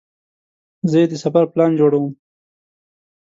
زه د سفر پلان جوړوم.